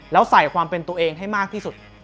แล้วใส่ความเป็นตัวเองให้มากที่สุด